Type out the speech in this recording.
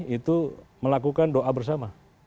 itu melakukan doa bersama